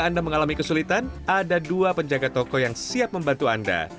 anda mengalami kesulitan ada dua penjaga toko yang siap membantu anda